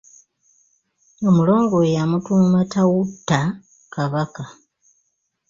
Omulongo we yamutuuma Tawutta kabaka.